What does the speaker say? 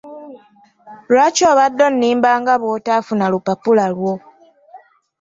Lwaki obadde onnimba nga bw'otaafuna lupapula lwo?